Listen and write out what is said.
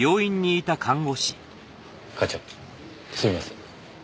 課長すみません。